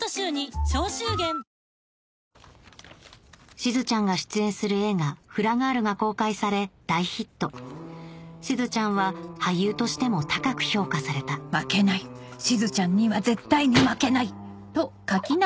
しずちゃんが出演する映画『フラガール』が公開され大ヒットしずちゃんは俳優としても高く評価されたああいったなこれ。